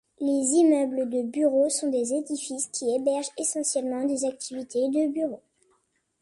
Les immeubles de bureaux sont des édifices qui hébergent essentiellement des activités de bureau.